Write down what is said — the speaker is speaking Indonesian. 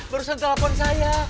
barusan telepon saya